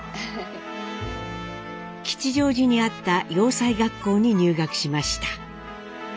吉祥寺にあった洋裁学校に入学しました。